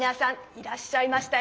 いらっしゃいましたよ！